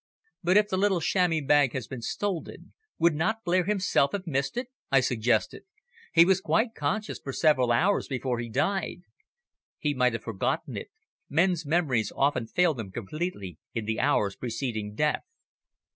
"But if the little chamois bag had been stolen, would not Blair himself have missed it?" I suggested. "He was quite conscious for several hours before he died." "He might have forgotten it. Men's memories often fail them completely in the hours preceding death."